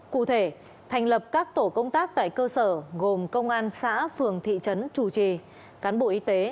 cụ thể thành lập các tổ công tác tại cơ sở gồm công an xã phường thị trấn chủ trì cán bộ y tế